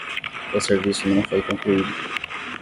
O serviço não foi concluído